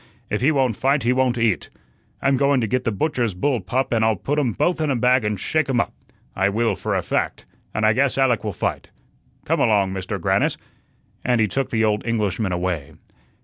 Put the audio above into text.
If he won't fight he won't eat. I'm going to get the butcher's bull pup and I'll put um both in a bag and shake um up. I will, for a fact, and I guess Alec will fight. Come along, Mister Grannis," and he took the old Englishman away.